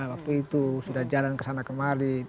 waktu itu sudah jalan kesana kemari